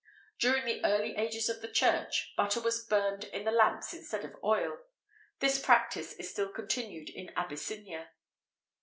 During the early ages of the Church, butter was burned in the lamps instead of oil. This practice is still continued in Abyssinia.